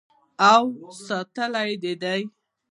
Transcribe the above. او ساتلی یې دی.